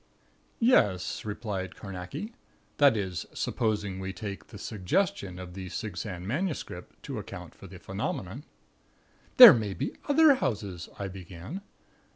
"Yes," replied Carnacki. "This is, supposing we take the suggestion of the Sigsand MS., to account for the phenomenon." "There may be other houses " I began.